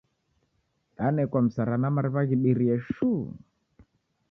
Danekwa msara na mariw’a ghibirie shuu!